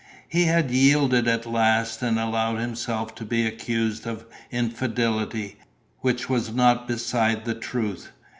He had yielded at last and allowed himself to be accused of infidelity, which was not beside the truth.